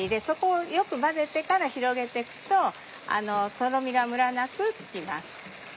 そこをよく混ぜてから広げて行くととろみがムラなくつきます。